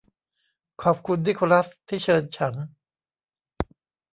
ขอบคุณนิโคลัสที่เชิญฉัน